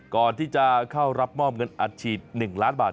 ก่อนที่จะเข้ารับมอบเงินอัดฉีด๑ล้านบาท